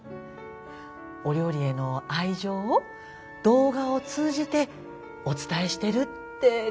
お料理への愛情を動画を通じてお伝えしてるって感じかしらねえ。